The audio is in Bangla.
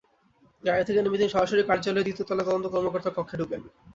গাড়ি থেকে নেমে তিনি সরাসরি কার্যালয়ের দ্বিতীয় তলায় তদন্ত কর্মকর্তার কক্ষে ঢোকেন।